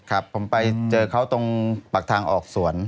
ครับผมไปเจอเขาตรงปากทางออกสวน